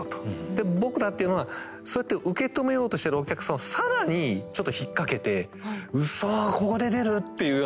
で僕らっていうのはそうやって受け止めようとしてるお客さんを更にちょっと引っ掛けて「うそここで出る⁉」っていうような。